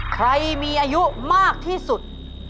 ใครมีอายุมากที่สุด